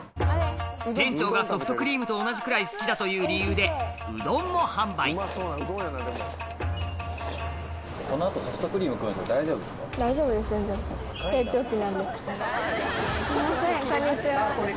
店長がソフトクリームと同じくらい好きだという理由でうどんも販売すいません